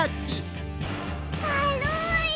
かるい！